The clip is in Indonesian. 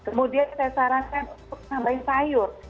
kemudian saya sarankan untuk nambahin sayur